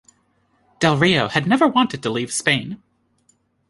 Delrio had never wanted to leave Spain.